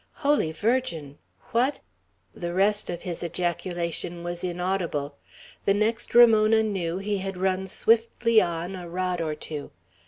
Holy Virgin! what " The rest of his ejaculation was inaudible. The next Ramona knew, he had run swiftly on, a rod or two.